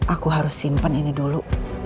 aku harus simpen ini dulu